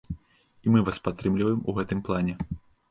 І мы вас падтрымліваем у гэтым плане.